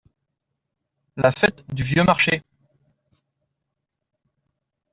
La fête du Vieux Marché.